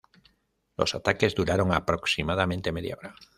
Los ataques duraron aproximadamente media hora.